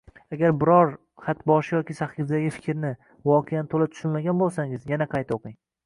Agar biror xatboshi yoki sahifadagi fikrni, voqeani toʻla tushunmagan boʻlsangiz, yana qayta oʻqing